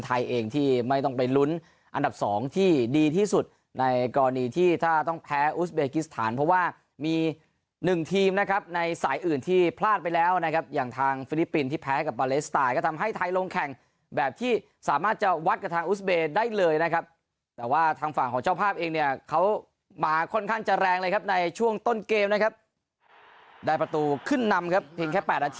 ใครเองที่ไม่ต้องไปลุ้นอันดับ๒ที่ดีที่สุดในกรณีที่ถ้าต้องแพ้อุสเบคิสฐานเพราะว่ามีหนึ่งทีมนะครับในสายอื่นที่พลาดไปแล้วนะครับอย่างทางฟิลิปปินท์ที่แพ้กับปาเลสไตรก็ทำให้ไทยลงแข่งแบบที่สามารถจะวัดกับทางอุสเบคิสฐานได้เลยนะครับแต่ว่าทางฝั่งของเจ้าภาพเองเนี่ยเขามาค่อนข้างจะแรง